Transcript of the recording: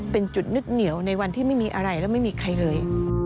เป็นจุดนึกเหนียวในวันที่ไม่มีอะไรและไม่มีใครเลย